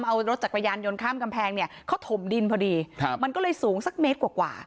เอารถจักรยานยนต์ข้ามกำแพงเนี่ยเขาถมดินพอดีมันก็เลยสูงสักเมตรกว่า